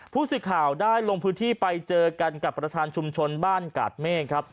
ผู้สื่อข่าวได้ลงพื้นที่ไปเจอกันกับประธานชุมชนบ้านกาดเมฆครับ